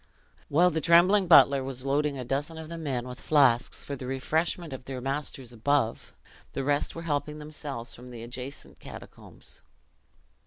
While the trembling butler was loading a dozen of the men with flasks for the refreshment of their masters above, the rest were helping themselves from the adjacent catacombs.